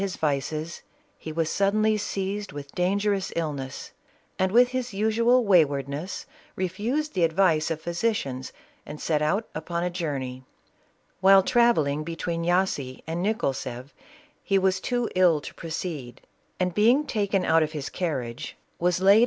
s vices, he was suu^.nlv seized with dangerous illness, and with his usual waj vardness, refused the advice of physicians and set out upon a journey. While travel ling between Yassy and Nienolaef, he was too ill to proceed, and, being taken out of hia carriage, was laid 19 434 CATHERINE OF RUSSIA.